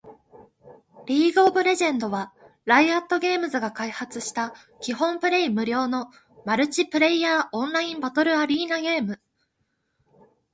リーグ・オブ・レジェンド』（League of Legends、略称: LoL（ ロル））は、ライアットゲームズが開発した基本プレイ無料のマルチプレイヤーオンラインバトルアリーナゲーム